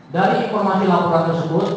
dari informasi laporan tersebut